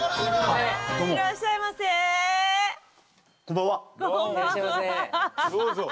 いらっしゃいませ。